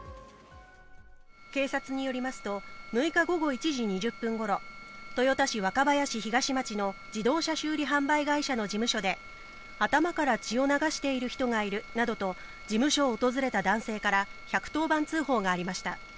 警察によりますと６日午後１時２０分ごろ豊田市若林東町の自動車修理販売会社の事務所で頭から血を流している人がいるなどと事務所を訪れた男性から１１０番通報がありました。